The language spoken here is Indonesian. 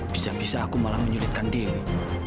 bisa bisa aku malah menyulitkan dia ibu